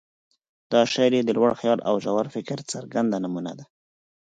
دا شعر یې د لوړ خیال او ژور فکر څرګنده نمونه ده.